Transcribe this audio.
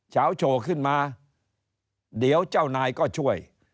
เช้าโชว์ขึ้นมาเดี๋ยวเจ้านายก็ช่วย